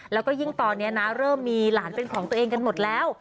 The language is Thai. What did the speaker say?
แล้วก็ยิ่งตอนนี้นะเริ่มมีหลานเป็นของตัวเองกันหมดแล้ว